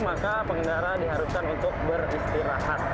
maka pengendara diharuskan untuk beristirahat